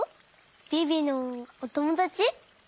ビビのおともだち？